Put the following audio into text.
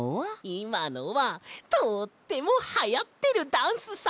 いまのはとってもはやってるダンスさ！